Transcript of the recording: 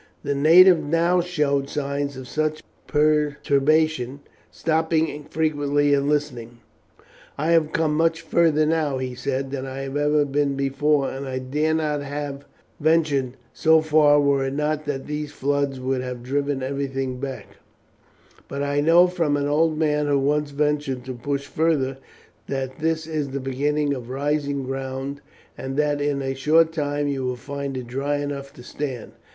The native now showed signs of much perturbation, stopping frequently and listening. "I have come much farther now," he said, "than I have ever been before, and I dare not have ventured so far were it not that these floods would have driven everything back; but I know from an old man who once ventured to push farther, that this is the beginning of rising ground, and that in a short time you will find it dry enough to land.